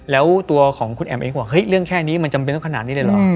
แล้วตัวของคุณแอมเองก็บอกเฮ้ยเรื่องแค่นี้มันจำเป็นต้องขนาดนี้เลยเหรอ